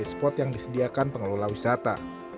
spot yang disediakan pengelola wisata